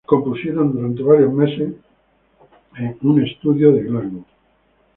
Compusieron durante varios meses en un estudio en Glasgow.